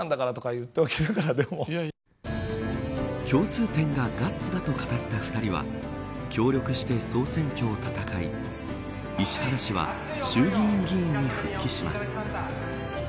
共通点がガッツだと語った２人は協力して総選挙を戦い石原氏は衆議院議員に復帰します。